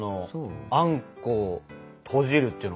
あんこを閉じるっていうのはさ。